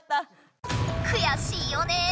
くやしいよね！